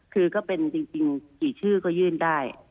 คือก็เป็นจริงกี่ชื่อก็ยื่นได้